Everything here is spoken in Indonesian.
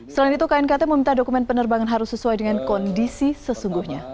selain itu knkt meminta dokumen penerbangan harus sesuai dengan kondisi sesungguhnya